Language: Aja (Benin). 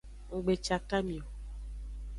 Nggbecakami o.